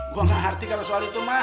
gue gak ngerti kalau soal itu mah